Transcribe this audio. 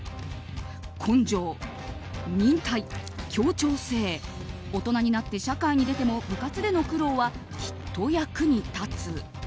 根性、忍耐、協調性大人になって社会に出ても部活での苦労はきっと役に立つ。